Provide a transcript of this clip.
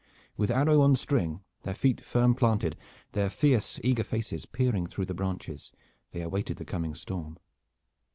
With arrow on string, their feet firm planted, their fierce eager faces peering through the branches, they awaited the coming storm.